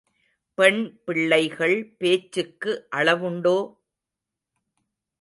பெண் பிள்ளைகள் பேச்சுக்கு அளவுண்டோ?